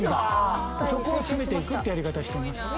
そこを詰めていくってやり方してます。